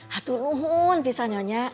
haturuhun bisa nyonya